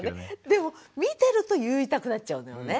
でも見てると言いたくなっちゃうのよね。